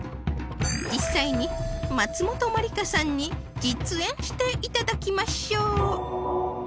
実際に松本まりかさんに実演していただきましょう